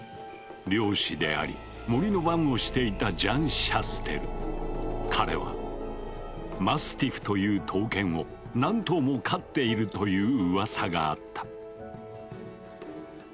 猟師であり森の番をしていた彼はマスティフという闘犬を何頭も飼っているというウワサがあった。